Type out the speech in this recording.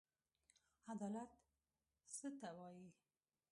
عدالت څه ته وايي.